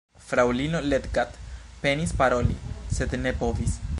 Fraŭlino Leggat penis paroli, sed ne povis.